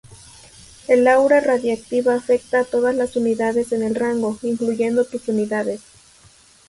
El aura radiactiva afecta a todas las unidades en el rango, incluyendo tus unidades.